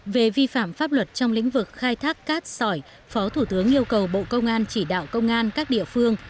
về vi phạm pháp luật trong lĩnh vực khai thác cát sỏi phó thủ tướng yêu cầu bộ công an chỉ đạo công an các địa phương